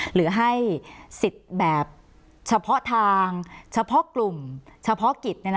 หรือให้สิทธิ์แบบเฉพาะทางเฉพาะกลุ่มเฉพาะกิจ